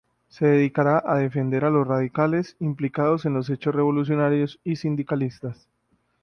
Se dedicará a defender a los radicales implicados en los hechos revolucionarios y sindicalistas.